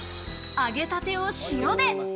揚げたてを塩で。